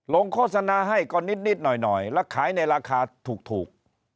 โฆษณาให้ก็นิดหน่อยแล้วขายในราคาถูก